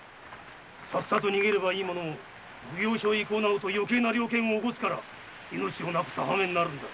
さっさと逃げればいいものを奉行所へ行こうなどと余計な了見を起こすから命をなくす破目になるんだ。